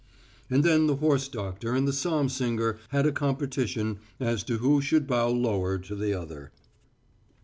And then the horse doctor and the psalm singer had a competition as to who should bow lower to the other.